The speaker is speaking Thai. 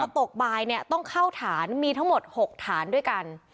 ตกบ่ายต้องเข้าฐานมีทั้งหมด๖ฐานด้วยกัน